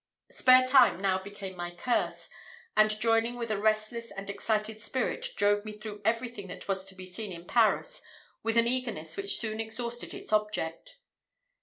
Spare time now became my curse, and, joining with a restless and excited spirit, drove me through everything that was to be seen in Paris with an eagerness which soon exhausted its object.